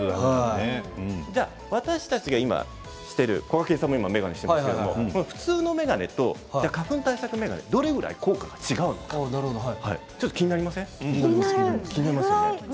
私たちがしているこがけんさんもしていますが普通の眼鏡と花粉対策眼鏡どれぐらい効果が違うのか気になります。